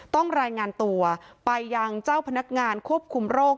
ต้องรายงานตัวไปยังเจ้าพนักงานควบคุมโรค